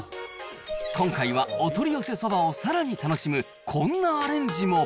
今回はお取り寄せそばをさらに楽しむ、こんなアレンジも。